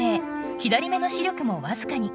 左目の視力もわずかに。